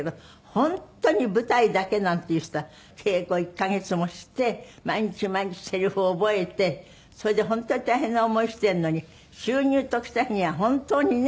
本当に舞台だけなんていう人は稽古１カ月もして毎日毎日セリフを覚えてそれで本当に大変な思いしてるのに収入ときた日には本当にね。